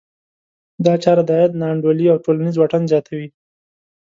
دا چاره د عاید نا انډولي او ټولنیز واټن زیاتوي.